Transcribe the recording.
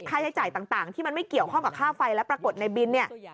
ใช้จ่ายต่างที่มันไม่เกี่ยวข้องกับค่าไฟและปรากฏในบินเนี่ย